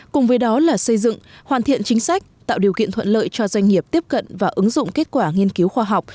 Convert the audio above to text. cùng với đó là xây dựng hoàn thiện chính sách tạo điều kiện thuận lợi cho doanh nghiệp tiếp cận và ứng dụng kết quả nghiên cứu khoa học